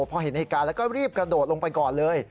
พอเห็นในการแล้วรีบกระโดดลงไปก่อนเลย